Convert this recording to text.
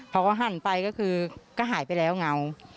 พอเขาหั่นไปก็คือก็หายไปแล้วเงา